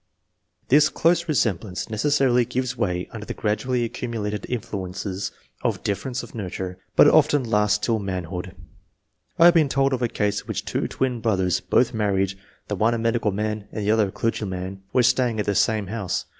This close 14 ENGLISH MEN OF SCIENCE. [chap. resemblance necessarily gives way under the gradually accumulated influences of difference of nurture, but it often lasts till manhood. I have been told of a case in which two twin brothers, both married, the one a medical man, the other a clergyman, were staying at the same house.